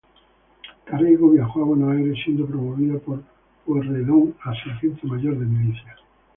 Carriego viajó a Buenos Aires, siendo promovido por Pueyrredón a "sargento mayor de milicias".